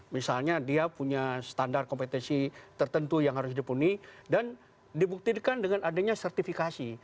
misalnya dia punya standar kompetensi tertentu yang harus dipenuhi dan dibuktikan dengan adanya sertifikasi